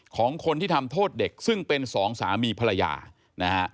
ของคนที่ทำโทษเด็กซึ่งเป็นสองสามีภรรยานะฮะ